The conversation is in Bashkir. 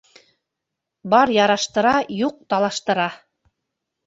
Бар яраштыра, юҡ талаштыра.